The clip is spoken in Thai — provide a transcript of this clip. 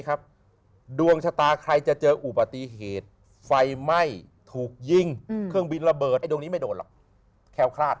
ครับดวงชะตาใครจะเจออุปตีเหตุไฟไม่ถูกยิงเครื่องบินระเบิดดงนี้ไม่โดนแคลฟภาษี